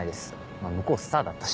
まぁ向こうスターだったし。